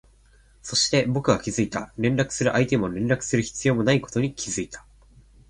そして、僕は気づいた、連絡する相手も連絡する必要もないことに気づいた